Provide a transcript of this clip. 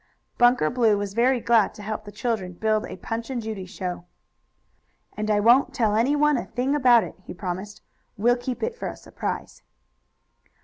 Bunker Blue was very glad to help the children build a Punch and Judy show. "And I won't tell anyone a thing about it," he promised. "We'll keep it for a surprise."